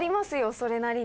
それなりに。